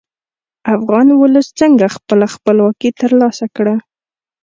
افغان ولس څنګه خپله خپلواکي تر لاسه کړه؟